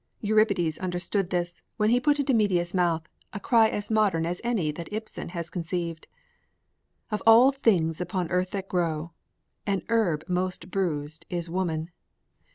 Euripides understood this when he put into Medea's mouth a cry as modern as any that Ibsen has conceived: Of all things upon earth that grow, A herb most bruised is woman.